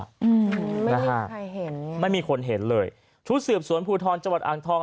อืมนะฮะใครเห็นไม่มีคนเห็นเลยชุดสืบสวนภูทรจังหวัดอ่างทอง